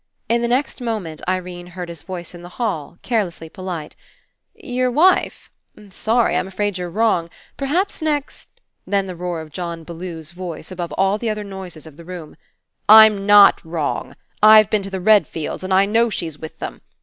In the next moment Irene heard his voice in the hall, carelessly polite: "Your wife? Sorry. I'm afraid you're wrong. Perhaps next —" Then the roar of John Bellew's voice above all the other noises of the room: "I'm not wrong! I've been to the Redfields and I know she's with them.